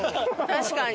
確かに。